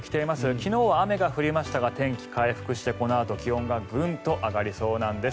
昨日は雨が降りましたが天気回復してこのあと気温がグンと上がりそうなんです。